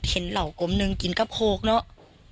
เห็นเหล่ากลมนึงกินกับโคกเนอะ